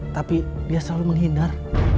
tapi dia selalu menghindar